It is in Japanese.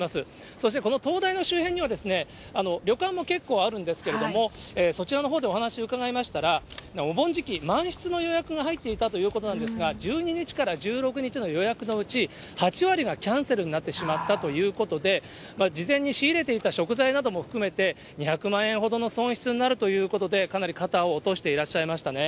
そしてこの灯台の周辺には、旅館も結構あるんですけれども、そちらの方でお話を伺いましたら、お盆時期、満室の予約が入っていたということなんですが、１２日から１６日の予約のうち、８割がキャンセルになってしまったということで、事前に仕入れていた食材なども含めて、２００万円ほどの損失になるということで、かなり肩を落としていらっしゃいましたね。